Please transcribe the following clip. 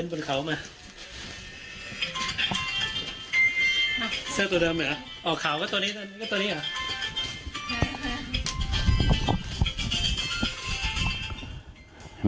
อืม